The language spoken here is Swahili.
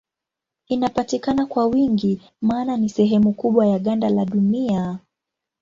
Inapatikana kwa wingi maana ni sehemu kubwa ya ganda la Dunia.